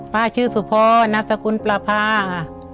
ป้าชื่อสุภนับสกุลประพาค่ะ